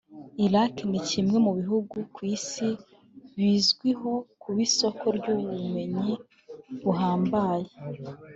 Iraq ni kimwe mu bihugu ku isi bizwiho kuba isoko y’ubumenyi buhambaye (science)